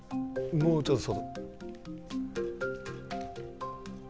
もうちょっと外。